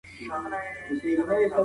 دا ترتيب له هغې مهم دی.